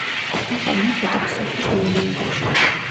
ახალ მეთოდებს სოფლის მეურნეობაში.